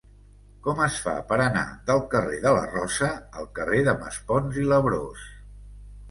Com es fa per anar del carrer de la Rosa al carrer de Maspons i Labrós?